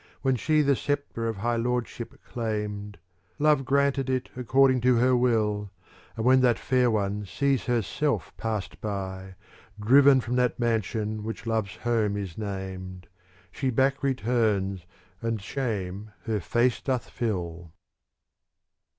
When she the sceptre of high lordship claimed," Love granted it, according to her will. And when that fair one sees herself passed by. Driven from that mansion which Love's home is named. She back returns and shame her face doth fill.